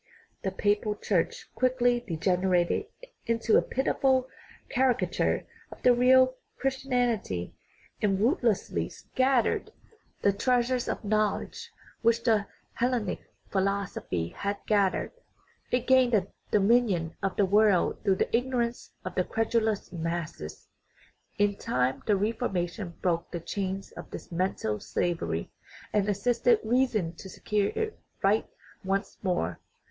The Papal Church quickly degenerated into a pitiful caricature of real Christianity, and ruthlessly scattered 271 THE RIDDLE OF THE UNIVERSE the treasures of knowledge which the Hellenic philos ophy had gathered ; it gained the dominion of the world through the ignorance of the credulous masses. In time the Reformation broke the chains of this mental slavery, and assisted reason to secure its right once more.